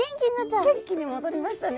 元気に戻りましたね。